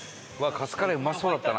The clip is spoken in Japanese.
カツカレーうまそうだったな。